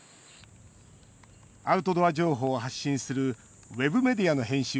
アウトドア情報を発信するウェブメディアの編集